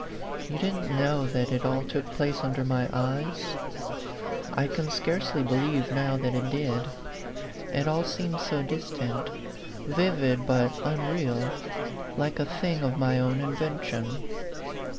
You didn't know that it all took place under my eyes ? I can scarcely believe now that it did : it all seems so distant, vivid but unreal, like a thing of my own invention.